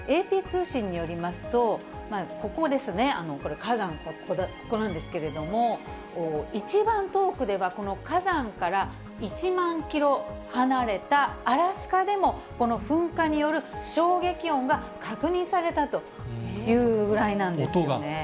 ＡＰ通信によりますと、ここですね、これ、火山がここなんですけれども、一番遠くでは、この火山から１万キロ離れたアラスカでも、この噴火による衝撃音が確認されたというぐらいなんですね。